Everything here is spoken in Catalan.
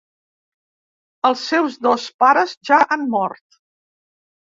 Els seus dos pares ja han mort.